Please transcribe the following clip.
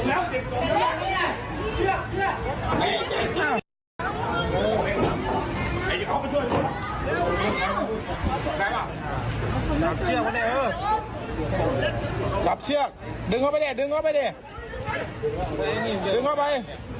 เออหลับเชือกดึงเข้าไปได้ดึงเข้าไปได้ดึงเข้าไป